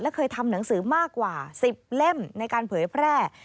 และเคยทำหนังสือมากกว่า๑๐เล่มในการเผยแพร่